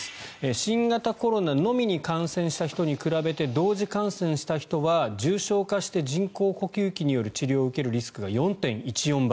新型コロナのみに感染した人に比べて同時感染した人は重症化して人工呼吸器による治療を受けるリスクが４．１４倍。